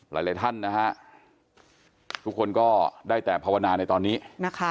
หลายท่านนะฮะทุกคนก็ได้แต่ภาวนาในตอนนี้นะคะ